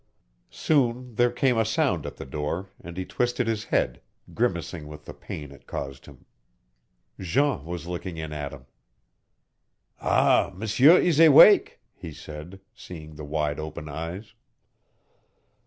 Soon there came a sound at the door and he twisted his head, grimacing with the pain it caused him. Jean was looking in at him. "Ah, M'seur ees awake!" he said, seeing the wide open eyes.